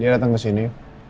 dia dateng kesini